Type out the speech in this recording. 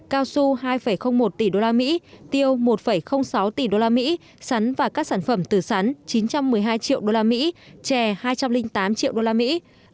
cao su hai một tỷ đô la mỹ tiêu một sáu tỷ đô la mỹ sắn và các sản phẩm từ sắn chín trăm một mươi hai triệu đô la mỹ chè hai trăm linh tám triệu đô la mỹ